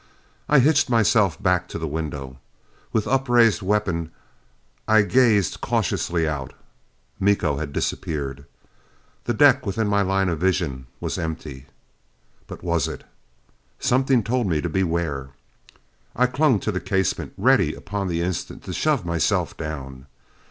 I hitched myself back to the window. With upraised weapon I gazed cautiously out. Miko had disappeared. The deck within my line of vision, was empty. But was it? Something told me to beware. I clung to the casement, ready upon the instant to shove myself down.